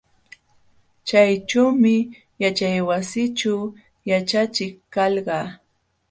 Chaćhuumi yaćhaywasićhu yaćhachiq kalqa.